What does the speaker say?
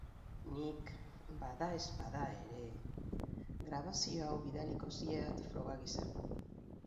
Nik, badaezpada ere, grabazio hau bidaliko zieat froga gisa.